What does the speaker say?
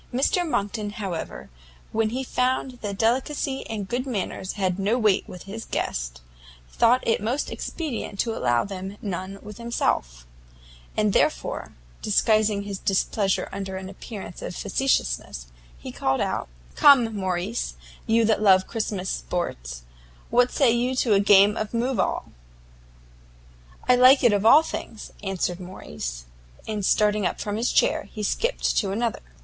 Mr Monckton, however, when he found that delicacy and good manners had no weight with his guest, thought it most expedient to allow them none with himself; and therefore, disguising his displeasure under an appearance of facetiousness, he called out, "Come, Morrice, you that love Christmas sports, what say you to the game of move all?" "I like it of all things!" answered Morrice, and starting from his chair, he skipped to another.